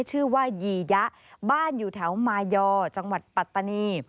ชื่อว่ายียะบ้านอยู่แถวมายอจังหวัดปัตตานี